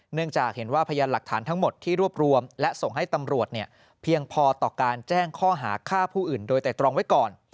เนื่องจากเห็นว่าพยานหลักฐานทั้งหมดที่รวบรวมและส่งให้ตำรวจเนี่ยเพียงพอต่อการแจ้งข้อหาฆ่าผู้อื่นโดยแต่ตรองไว้ก่อน